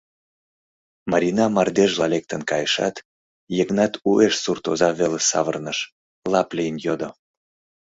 Марина мардежла лектын кайышат, Йыгнат уэш суртоза велыш савырныш, лап лийын йодо: